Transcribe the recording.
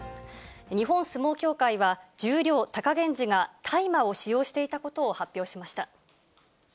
日本相撲協会は、十両・貴源治が大麻を使用していたことを発表しました。